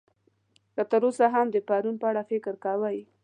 که تر اوسه هم د پرون په اړه فکر کوئ.